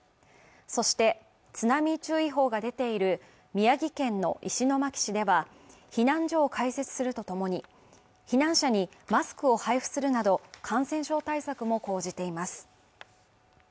そして、津波注意報が出ている宮城県の石巻市では、避難所を開設するとともに、避難者にマスクを配布するなど感染症対策も講じています。